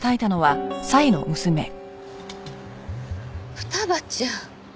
二葉ちゃん。